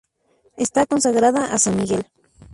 Está consagrada a San Miguel.